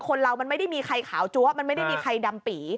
คนเรามันไม่ได้มีใครขาวจั๊วมันไม่ได้มีใครดำปี